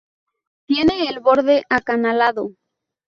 Tiene el borde acanalado.